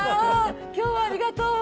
今日はありがとう！